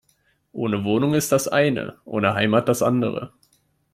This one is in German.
Ohne Wohnung ist das eine, ohne Heimat das andere.